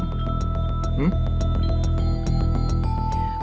หื้ม